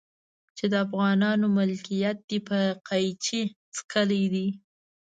چې د افغانانو ملکيت دی په قيچي څکلي دي.